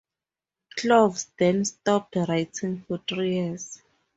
Kloves then stopped writing for three years.